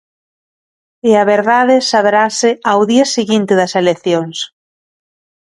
E a verdade saberase ao día seguinte das eleccións.